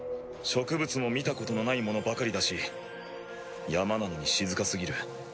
植物も見たことのないものばかりだし山なのに静かすぎる。